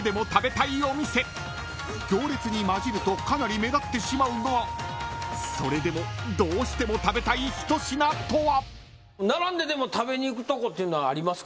［行列に交じるとかなり目立ってしまうがそれでもどうしても食べたいひと品とは！？］